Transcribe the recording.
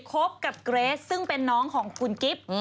คบกับเกรสซึ่งเป็นน้องของคุณกิฟต์